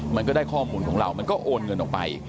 มันก็ได้ข้อมูลของเรามันก็โอนเงินออกไป